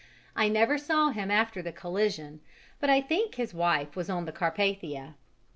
I never saw him after the collision, but I think his wife was on the Carpathia.